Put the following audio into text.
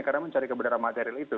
karena mencari kebenaran material itu